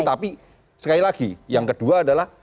tapi sekali lagi yang kedua adalah